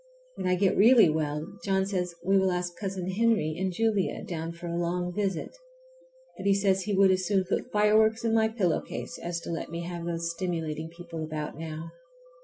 When I get really well John says we will ask Cousin Henry and Julia down for a long visit; but he says he would as soon put fire works in my pillow case as to let me have those stimulating people about now.